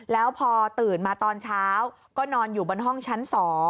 แล้วพอตื่นมาตอนเช้าก็นอนอยู่บนห้องชั้น๒